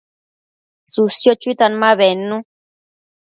tsësio chuitan ma bednu